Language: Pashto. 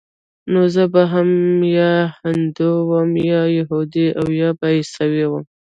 نو زه به هم يا هندو وم يا يهود او يا به عيسوى وم.